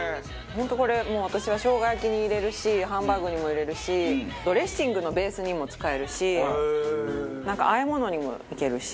本当これもう私は生姜焼きに入れるしハンバーグにも入れるしドレッシングのベースにも使えるしなんか和え物にもいけるし。